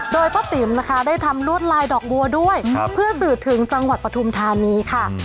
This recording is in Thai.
โดยป้าติ๋มนะคะได้ทำลวดลายดอกบัวด้วยเพื่อสื่อถึงจังหวัดปฐุมธานีค่ะ